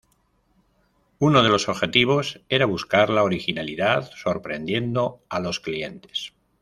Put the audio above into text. Uno de los objetivos era buscar la originalidad, sorprendiendo a los clientes.